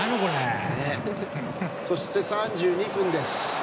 そして、３２分です。